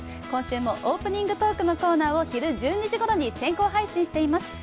今週もオープニングトークのコーナーを昼１２時ごろに先行配信しています。